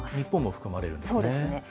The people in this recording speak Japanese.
日本も含まれるんですね。